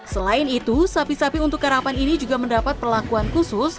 selain itu sapi sapi untuk karapan ini juga mendapat perlakuan khusus